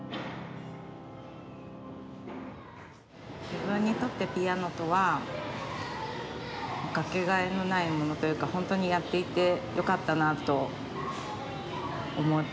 自分にとってピアノとは掛けがえのないものというか本当にやっていてよかったなと思うものですね。